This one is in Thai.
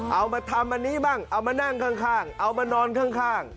เอามาทำอันนี้บ้างเอามานั่งข้างเอามานอนข้าง